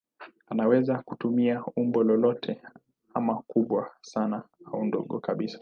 Anaweza kutumia umbo lolote ama kubwa sana au dogo kabisa.